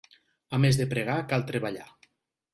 A més de pregar cal treballar.